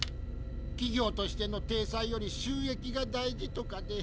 企業としての体裁より収益が大事とかで。